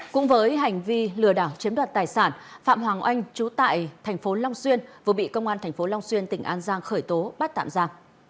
cũng với hành vi lừa đảo chiếm đoạt tài sản phạm hoàng anh trú tại thành phố long xuyên vừa bị công an thành phố long xuyên tỉnh an giang khởi tố bắt tạm ra